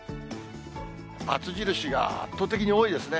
ばつ印が圧倒的に多いですね。